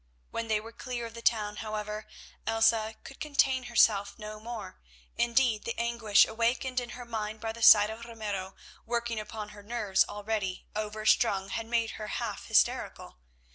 When they were clear of the town, however, Elsa could contain herself no more; indeed, the anguish awakened in her mind by the sight of Ramiro working upon nerves already overstrung had made her half hysterical.